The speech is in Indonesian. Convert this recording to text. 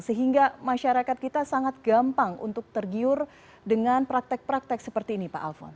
sehingga masyarakat kita sangat gampang untuk tergiur dengan praktek praktek seperti ini pak alfon